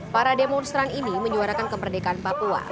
para demonstran ini menyuarakan kemerdekaan papua